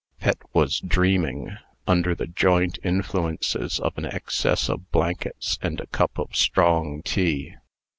Pet was dreaming, under the joint influences of an excess of blankets and a cup of strong tea.